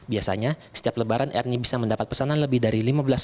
biasanya setiap lebaran ernie bisa mendapat pesanan lebih dari lima belas menit